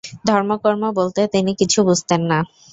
ধর্ম-কর্ম বলতে তিনি কিছু বুঝতেন না।